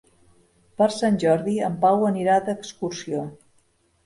Per Sant Jordi en Pau anirà d'excursió.